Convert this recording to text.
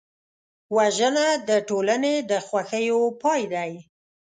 وژنه د ټولنې د خوښیو پای دی